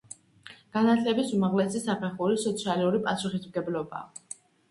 განათლების უმაღლესი საფეხური სოციალური პასუხისმგებლობაა.